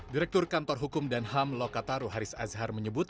direktur kantor hukum dan ham lokataru haris azhar menyebut